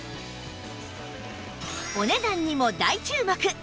お値段にも大注目！